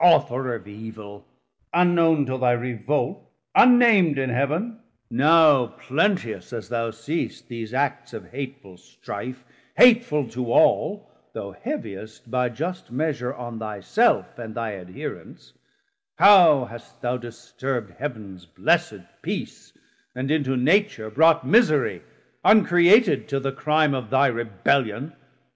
Author of evil, unknown till thy revolt, Unnam'd in Heav'n, now plenteous, as thou seest These Acts of hateful strife, hateful to all, Though heaviest by just measure on thy self And thy adherents: how hast thou disturb'd Heav'ns blessed peace, and into Nature brought Miserie, uncreated till the crime Of thy Rebellion?